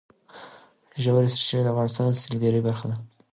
ژورې سرچینې د افغانستان د سیلګرۍ برخه ده.